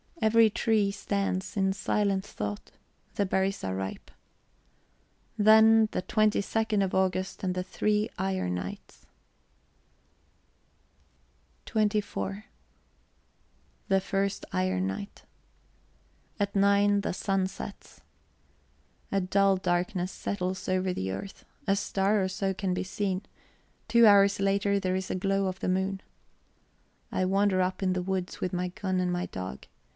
Every tree stands in silent thought. The berries are ripe. Then the twenty second of August and the three iron nights. [Footnote: Joernnætter. Used of the nights in August when the first frosts appear.] XXIV The first iron night. At nine the sun sets. A dull darkness settles over the earth, a star or so can be seen; two hours later there is a glow of the moon. I wander up in the woods with my gun and my dog.